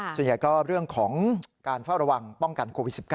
ส่วนใหญ่ก็เรื่องของการเฝ้าระวังป้องกันโควิด๑๙